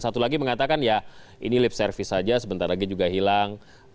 satu lagi mengatakan ya ini lip service saja sebentar lagi juga hilang